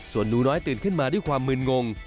ส่วนหนูน้อยตื่นขึ้นมาด้วยความมืนงง